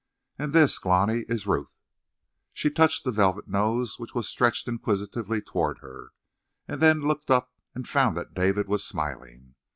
"And this, Glani, is Ruth." She touched the velvet nose which was stretched inquisitively toward her, and then looked up and found that David was smiling.